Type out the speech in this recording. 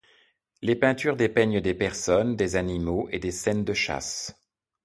Les peintures dépeignent des personnes, des animaux et des scènes de chasse.